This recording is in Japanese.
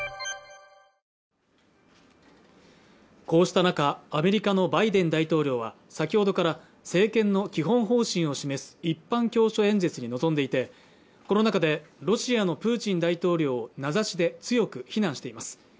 こうした中アメリカのバイデン大統領は先ほどから政権の基本方針を示す一般教書演説に臨んでいてこの中でロシアのプーチン大統領を名指しで強く非難しています